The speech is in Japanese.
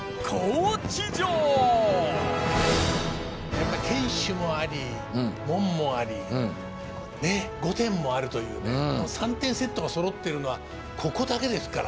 やっぱり天守もあり門もありねえ御殿もあるというねこの３点セットがそろってるのはここだけですから。